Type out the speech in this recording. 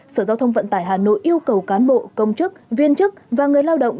sở giao thông vận tải hà nội yêu cầu cán bộ công chức viên chức và người lao động